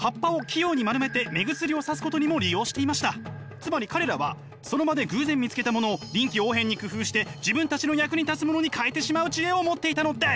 つまり彼らはその場で偶然見つけたものを臨機応変に工夫して自分たちの役に立つものに変えてしまう知恵を持っていたのです！